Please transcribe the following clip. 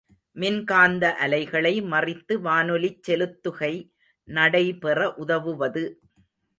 மின் காந்த அலைகளை மறித்து வானொலிச் செலுத்துகை நடைபெற உதவுவது.